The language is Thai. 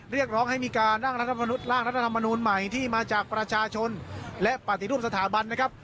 เรียกร้องให้มีการร่างรัฐมนุษยร่างรัฐธรรมนูลใหม่ที่มาจากประชาชนและปฏิรูปสถาบันนะครับ